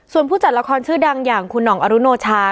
ส่วนผู้จัดละครชื่อดังอย่างคุณห่องอรุโนชา